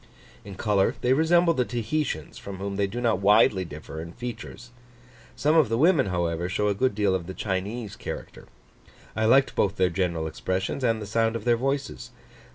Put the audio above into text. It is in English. In colour they resemble the Tahitians, from whom they do not widely differ in features. Some of the women, however, show a good deal of the Chinese character. I liked both their general expressions and the sound of their voices.